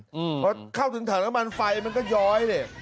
เพราะเข้าถึงถังน้ำมันไฟมันก็ย้อยเนี่ย